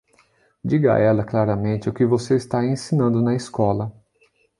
Diga a ela claramente o que você está ensinando na escola.